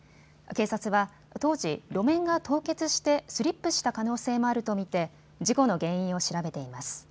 警察は当時、路面が凍結してスリップした可能性もあると見て事故の原因を調べています。